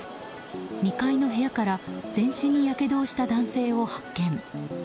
２階の部屋から全身にやけどをした男性を発見。